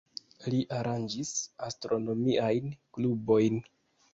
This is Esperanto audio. Li aranĝis astronomiajn klubojn.